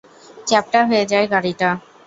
চ্যাপ্টা হয়ে যায় গাড়িটা।